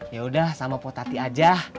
yaudah sama po tati aja